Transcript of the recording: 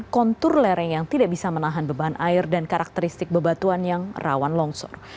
kontur lereng yang tidak bisa menahan beban air dan karakteristik bebatuan yang rawan longsor